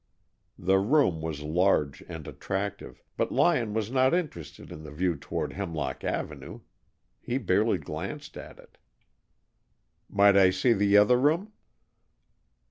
The room was large and attractive, but Lyon was not interested in the view toward Hemlock Avenue! He barely glanced at it. "Might I see the other room?"